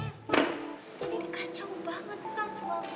dan ini kacau banget kan soalnya sesuatu ini gak boleh terjadi dan gak boleh dikirain